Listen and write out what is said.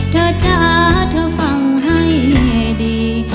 จ้าเธอฟังให้ดี